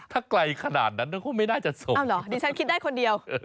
ถ้าไกลขนาดนั้นก็ไม่น่าจะส่งอ้าวเหรอดิฉันคิดได้คนเดียว